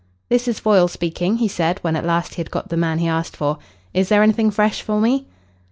"This is Foyle speaking," he said when at last he had got the man he asked for. "Is there anything fresh for me?"